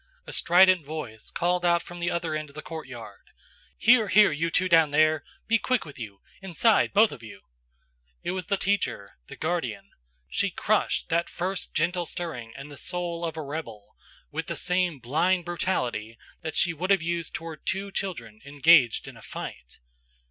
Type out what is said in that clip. "A strident voice called out from the other end of the courtyard: "'Here, here, you two down there–be quick with you; inside, both of you!' "It was the teacher, the guardian. She crushed that first gentle stirring in the soul of a rebel with the same blind brutality that she would have used toward two children engaged in a fight.